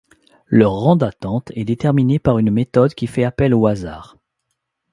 Leur rang d’attente est déterminé par une méthode qui fait appel au hasard.